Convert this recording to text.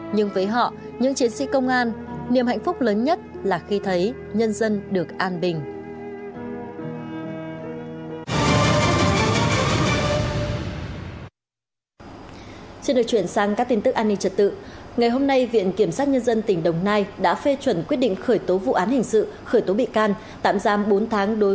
nhưng với họ những chiến sĩ công an niềm hạnh phúc lớn nhất là khi thấy nhân dân được an bình